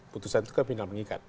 putusan suka tinggal mengikat